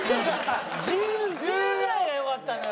１０１０ぐらいがよかったのよ。